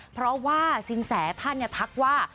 เพราะว่าสินแสท่านทักว่า